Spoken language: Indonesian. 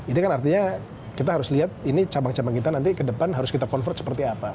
ini kan artinya kita harus lihat ini cabang cabang kita nanti ke depan harus kita convert seperti apa